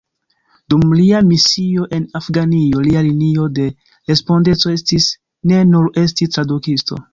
Dum lia misio en Afganio lia linio de respondeco estis ne nur esti tradukisto.